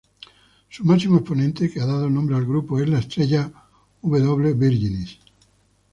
Su máximo exponente, que ha dado nombre al grupo, es la estrella W Virginis.